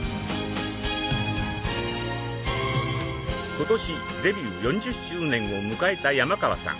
今年デビュー４０周年を迎えた山川さん。